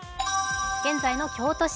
現在の京都市。